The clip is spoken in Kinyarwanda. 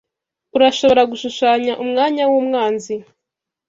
Urashobora gushushanya umwanya wumwanzi